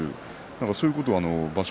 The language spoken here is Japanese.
そういうことを場所